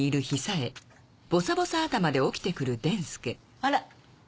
あら。